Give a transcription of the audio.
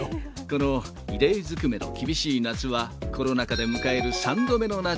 この異例ずくめの厳しい夏は、コロナ禍で迎える３度目の夏。